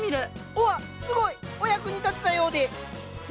うわっすごい！お役に立てたようで。